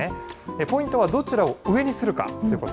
ポイントはどちらを上にするかということ。